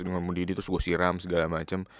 nunggu nunggu didi terus gue siram segala macem